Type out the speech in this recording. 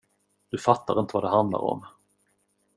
Du fattar inte vad det handlar om.